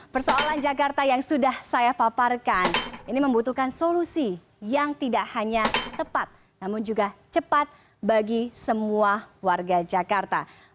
persoalan jakarta yang sudah saya paparkan ini membutuhkan solusi yang tidak hanya tepat namun juga cepat bagi semua warga jakarta